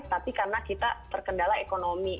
tapi karena kita terkendala ekonomi